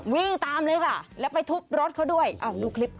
วิ่งตามเลยค่ะแล้วไปทุบรถเขาด้วยดูคลิปค่ะ